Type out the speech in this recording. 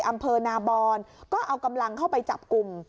อำเภอนาบอนก็เอากำลังเข้าไปจับกลุ่ม